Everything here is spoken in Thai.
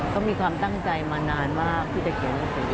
เขามีความตั้งใจมานานมากที่จะเขียนหนังสือ